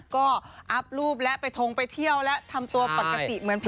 ก็อัพรูปแล้วไปทงไปเที่ยวแล้วทำตัวปกติเหมือน